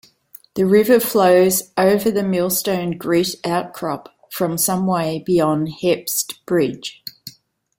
The river flows over the Millstone Grit outcrop from some way beyond Hepste Bridge.